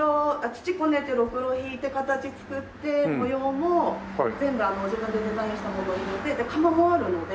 土こねてろくろひいて形作って模様も全部自分でデザインしたものをひいて窯もあるので。